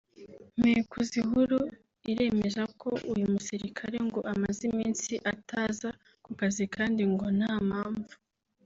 Mpekuzihuru iremeza ko uyu musirikare ngo amaze iminsi ataza ku kazi kandi ngo nta mpamvu